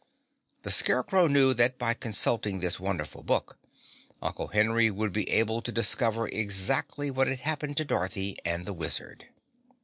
The Scarecrow knew that by consulting this wonderful book, Uncle Henry would be able to discover exactly what had happened to Dorothy and the Wizard.